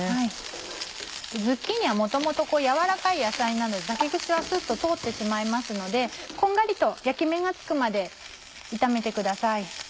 ズッキーニは元々軟らかい野菜なので竹串はスッと通ってしまいますのでこんがりと焼き目がつくまで炒めてください。